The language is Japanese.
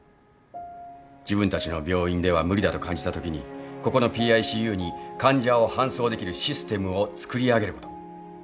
自分たちの病院では無理だと感じたときにここのＰＩＣＵに患者を搬送できるシステムを作り上げること。